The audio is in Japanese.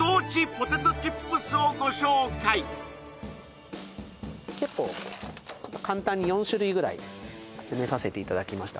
ポテトチップスをご紹介結構簡単に４種類ぐらい集めさせていただきました